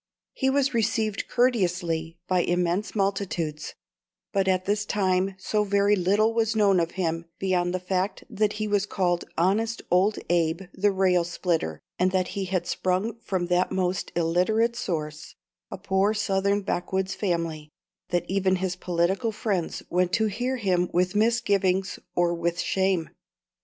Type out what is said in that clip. He was received courteously by immense multitudes; but at this time so very little was known of him beyond the fact that he was called Honest Old Abe the Rail splitter, and that he had sprung from that most illiterate source, a poor Southern backwoods family, that even his political friends went to hear him with misgivings or with shame.